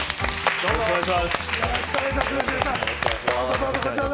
よろしくお願いします。